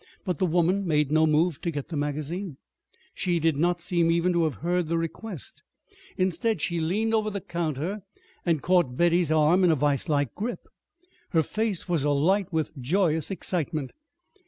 But the woman made no move to get the magazine. She did not seem even to have heard the request. Instead she leaned over the counter and caught Betty's arm in a vise like grip. Her face was alight with joyous excitement.